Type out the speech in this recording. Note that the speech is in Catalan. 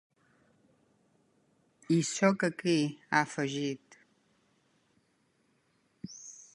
I sóc aquí, ha afegit.